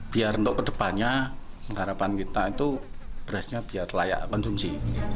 biar untuk kedepannya harapan kita itu berasnya biar layak konsumsi